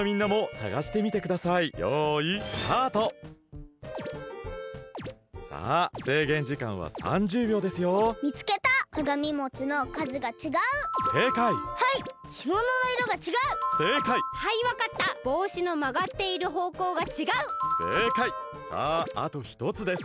さああとひとつです。